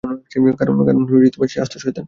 কারণ সে আস্ত শয়তান।